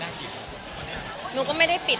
ก็เลยเอาข้าวเหนียวมะม่วงมาปากเทียน